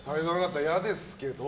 嫌ですけど。